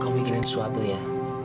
kamu mikirin sesuatu ya